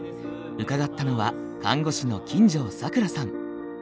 伺ったのは看護師の金城櫻さん。